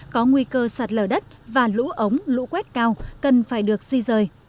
có nguy cơ sạt lở đất và lũ ống lũ quét cao cần phải được di rời